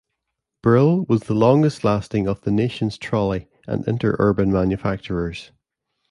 Brill was the longest lasting of the nation's trolley and interurban manufacturers.